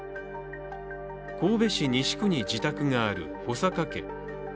神戸市西区に自宅がある穂坂家。